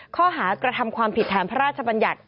ข้อหากระทำความผิดฐานพระราชบัญญัติ